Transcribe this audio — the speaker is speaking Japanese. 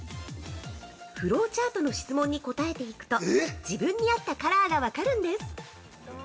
フローチャートの質問に答えていくと、自分に合ったカラーが分かるんです。